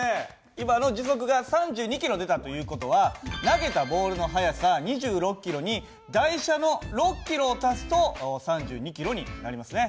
今の時速が３２キロ出たという事は投げたボールの速さ２６キロに台車の６キロを足すと３２キロになりますね。